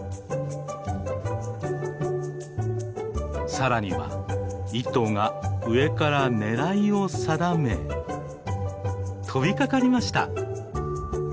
さらには一頭が上から狙いを定め飛びかかりました。